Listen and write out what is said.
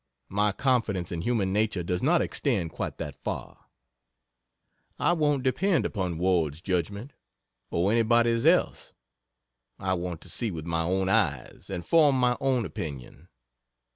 My confidence in human nature does not extend quite that far. I won't depend upon Ward's judgment, or anybody's else I want to see with my own eyes, and form my own opinion.